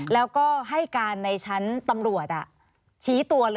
แล้วก็ให้การในชั้นตำรวจชี้ตัวเลย